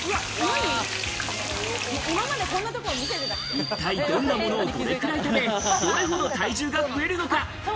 一体、どんなものをどれくらい食べ、どれほど体重が増えるのか？